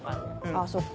あっそっか。